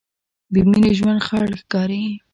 بېمینې ژوند خړ ښکاري.